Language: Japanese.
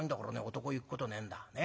男湯行くことねえんだ。